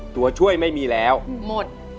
ตัวช่วยไม่มีแล้วหมด